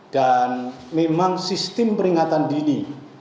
dan memang sistem peringatan dini